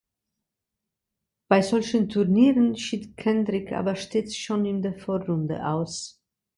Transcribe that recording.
Bei solchen Turnieren schied Kendrick aber stets schon in der Vorrunde aus.